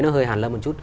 nó hơi hàn lâm một chút